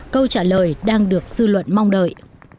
câu trả lời đang được dư luận mong đợi